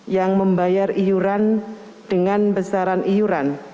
yang membayar iuran dengan besaran iuran